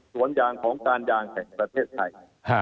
สวนยางของการยางแห่งประเทศไทย